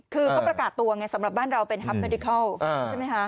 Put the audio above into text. คือเขาประกาศตัวไงสำหรับบ้านเราเป็นฮัพเมดิเคิล